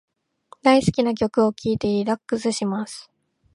大好きな曲を聞いてリラックスします。